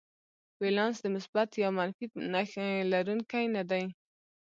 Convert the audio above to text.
ولانس د مثبت یا منفي نښې لرونکی نه دی.